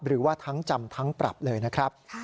หรือว่าทั้งจำทั้งปรับเลยนะครับ